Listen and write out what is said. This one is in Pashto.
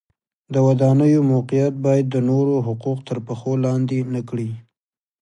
د ودانیو موقعیت باید د نورو حقوق تر پښو لاندې نه کړي.